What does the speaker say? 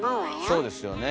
そうですよね。